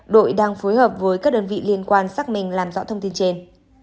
đội đang phối hợp với các đơn vị liên quan xác minh làm rõ thông tin trên